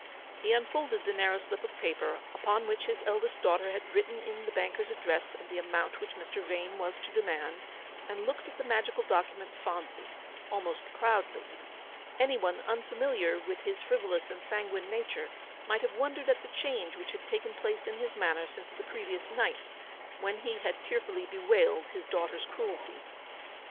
He unfolded the narrow slip of paper upon which his eldest daughter had written the banker's address and the amount which Mr. Vane was to demand, and looked at the magical document fondly, almost proudly. Any one unfamiliar with his frivolous and sanguine nature, might have wondered at the change which had taken place in his manner since the previous night, when he had tearfully bewailed his daughter's cruelty.